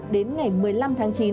đến ngày một mươi năm tháng chín